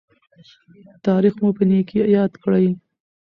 تاریخ مو په نیکۍ یاد کړي.